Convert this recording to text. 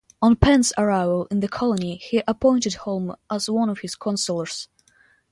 On Penn's arrival in the colony, he appointed Holme as one of his councilors.